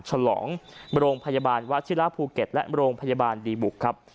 ฉลองโรงพยาบาลวชิระภูเก็ตและโรงพยาบาลดีบุกครับ